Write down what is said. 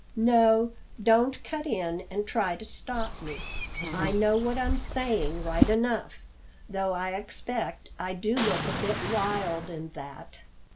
No, don't cut in and try to stop me I know what I'm saying right enough, though I expect I do look a bit wild and that.